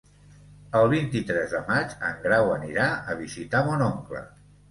El vint-i-tres de maig en Grau anirà a visitar mon oncle.